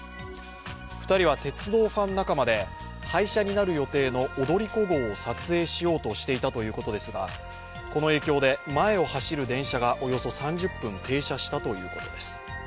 ２人は鉄道ファン仲間で、廃車になる予定の踊り子号を撮影しようとしていたということですがこの影響で前を走る電車がおよそ３０分停車したということです。